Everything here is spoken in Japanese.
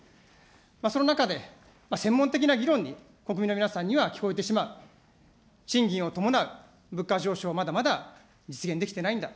その中で、専門的な議論に国民の皆さんには、聞こえてしまう、賃金を伴う物価上昇、まだまだ実現できてないんだ。